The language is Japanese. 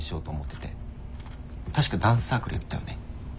確かダンスサークルやったよね？